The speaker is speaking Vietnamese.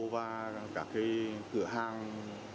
và các cái cửa hàng